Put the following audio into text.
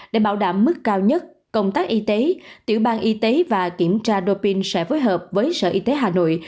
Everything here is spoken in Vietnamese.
để bảo đảm mức cao nhất công tác y tế tiểu bang y tế và kiểm tra do pin sẽ phối hợp với sở y tế hà nội